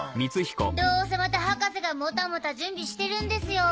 どうせまた博士がもたもた準備してるんですよ！